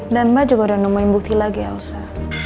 dan mbak juga udah nemuin bukti lagi elsa